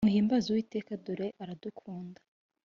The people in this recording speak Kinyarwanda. muhimbaze uwiteka dore aradukunda.